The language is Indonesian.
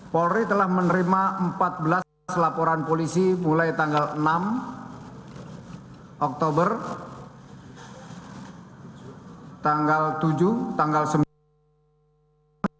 polri telah menerima empat belas laporan polisi mulai tanggal enam oktober tanggal tujuh tanggal sembilan